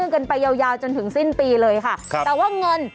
ใช้เมียได้ตลอด